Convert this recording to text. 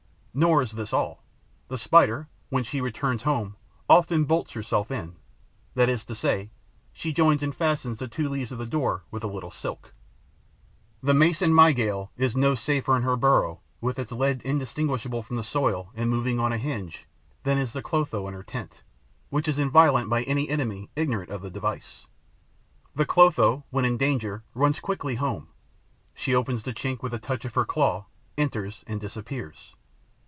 Nor is this all: the Spider, when she returns home, often bolts herself in, that is to say, she joins and fastens the two leaves of the door with a little silk. The Mason Mygale is no safer in her burrow, with its lid undistinguishable from the soil and moving on a hinge, than is the Clotho in her tent, which is inviolable by any enemy ignorant of the device. The Clotho, when in danger, runs quickly home; she opens the chink with a touch of her claw, enters and disappears.